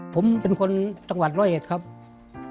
ผมเป็นคนจังหวัดไล่ริย์แห่งหลายวธีกรเดีย